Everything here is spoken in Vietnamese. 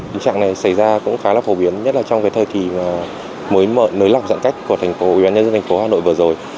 tình trạng này xảy ra cũng khá là phổ biến nhất là trong cái thời kỳ mới nới lỏng giãn cách của thành phố ubnd tp hà nội vừa rồi